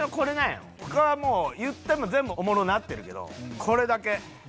他はもう言っても全部おもろなってるけどこれだけ。